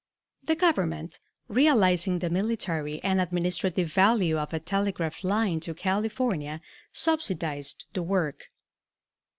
The Government, realizing the military and administrative value of a telegraph line to California, subsidized the work.